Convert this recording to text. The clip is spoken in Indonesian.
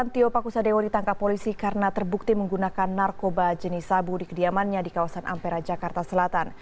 tio pakusadewo ditangkap polisi karena terbukti menggunakan narkoba jenis sabu di kediamannya di kawasan ampera jakarta selatan